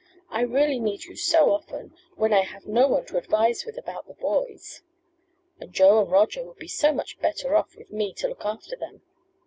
I really need you so often, when I have no one to advise with about the boys. And Joe and Roger would be so much better off with me to look after them. Mrs.